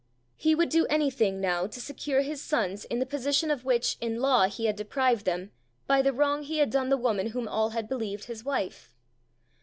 He would do anything now to secure his sons in the position of which in law he had deprived them by the wrong he had done the woman whom all had believed his wife.